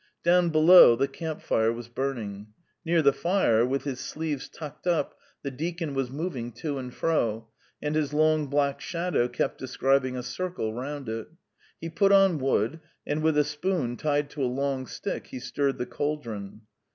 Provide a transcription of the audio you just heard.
Down below, the camp fire was burning. Near the fire, with his sleeves tucked up, the deacon was moving to and fro, and his long black shadow kept describing a circle round it; he put on wood, and with a spoon tied to a long stick he stirred the cauldron.